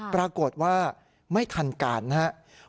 ปรากฏว่าไม่ทันการนะครับ